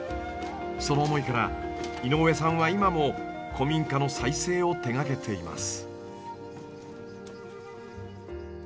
その思いから井上さんは今も古民家の再生を手がけています。